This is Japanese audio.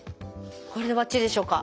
これでばっちりでしょうか？